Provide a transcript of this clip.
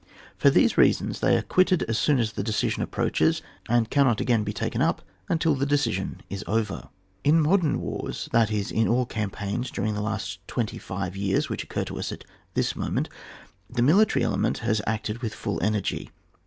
For these reasons they are quitted as soon as the decision approaches, and can not be again taken up until the decision is over. In modem wars, that is, in all campaigns during the last twenty five years which oc cur to us at this moment, the military ele ment has acted with full energy.